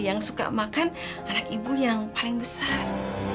yang suka makan anak ibu yang paling besar